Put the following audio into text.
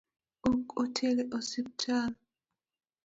Ok otere osiptal?